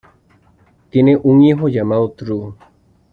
Tienen un hijo llamado True.